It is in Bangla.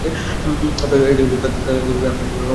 তাকে খুঁজে পেতে আমরা অনেক জটিলতার মোকাবিলা করেছি।